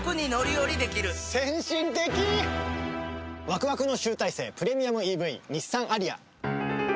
ワクワクの集大成プレミアムＥＶ日産アリア。